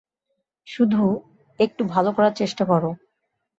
শুধু, একটু ভালো করার চেষ্টা করো।